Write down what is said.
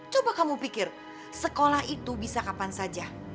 coba kamu pikir sekolah itu bisa kapan saja